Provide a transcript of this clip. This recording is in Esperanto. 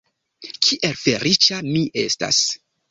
Kiel feliĉa mi estas!